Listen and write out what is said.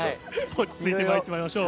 落ち着いていってまいりましょう。